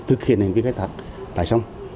thực hiện hành vi khai thác tại sông